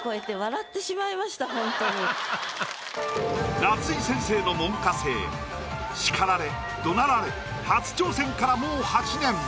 夏井先生の門下生。叱られどなられ初挑戦からもう８年。